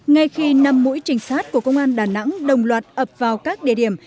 ngay khi năm mũi trình sát của công an đà nẵng đồng loạt ập vào các địa điểm